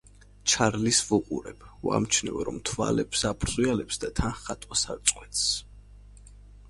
ჩარლის ვუყურებ. ვამჩნევ, რომ თვალებს აბრდღვიალებს და თან ხატვას არ წყვეტს.